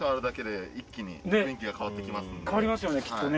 変わりますよねきっとね。